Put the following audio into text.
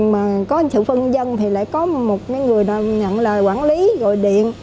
mà có hình sự phân dân thì lại có một người nhận lời quản lý gọi điện